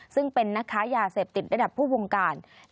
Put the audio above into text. ซึ่งเป็นนักค้ายาเสพติดระดับผู้วงการ